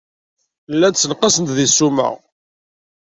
Llant ssenqasent deg ssuma.